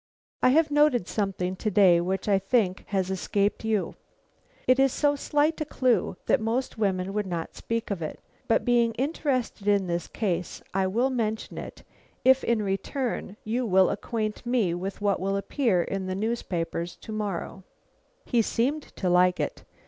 "I have noted something to day which I think has escaped you. It is so slight a clue that most women would not speak of it. But being interested in the case, I will mention it, if in return you will acquaint me with what will appear in the papers to morrow." He seemed to like it.